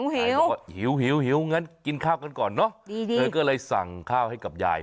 หิวบอกว่าหิวงั้นกินข้าวกันก่อนเนอะดีเธอก็เลยสั่งข้าวให้กับยาย